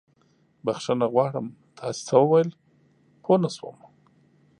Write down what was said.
بښنه غواړم، تاسې څه وويل؟ پوه نه شوم.